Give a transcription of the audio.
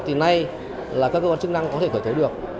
thì nay là các cơ quan chức năng có thể khởi thế được